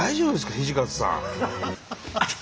土方さん。